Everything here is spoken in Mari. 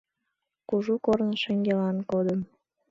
Кужу корно шеҥгелан кодын.